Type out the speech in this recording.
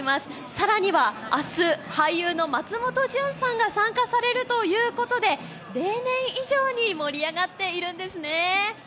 更には明日、俳優の松本潤さんが参加されるということで例年以上に盛り上がっているんですね。